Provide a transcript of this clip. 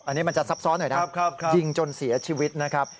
อันนี้มันจะซับซ้อนหน่อยนะยิงจนเสียชีวิตนะครับ